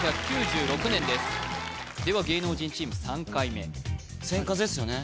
１９９６年ですでは芸能人チーム３回目「千風」っすよね？